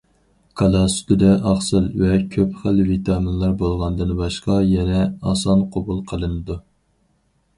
كالا سۈتىدە ئاقسىل ۋە كۆپ خىل ۋىتامىنلار بولغاندىن باشقا، يەنە ئاسان قوبۇل قىلىنىدۇ.